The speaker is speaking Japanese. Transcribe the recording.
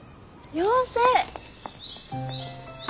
妖精！